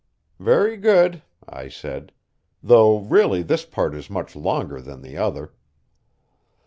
"Very good," I said; "though really this part is much longer than the other."